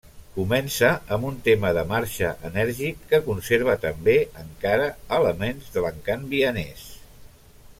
Comença amb un tema de marxa enèrgic que conserva també encara elements de l'encant vienès.